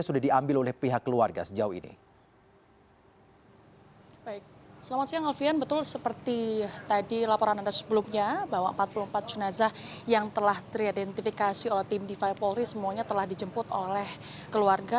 semuanya telah dijemput oleh keluarga